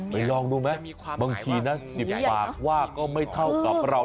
ลองดูไหมบางทีนะ๑๐ปากว่าก็ไม่เท่ากับเรา